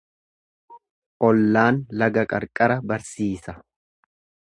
Ollaan laga qarqara barsiisa.